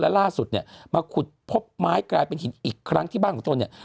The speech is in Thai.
ล่าสุดเนี่ยมาขุดพบไม้กลายเป็นหินอีกครั้งที่บ้านของตนเนี่ย